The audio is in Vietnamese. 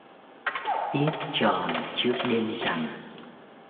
Biết tròn trước đêm rằm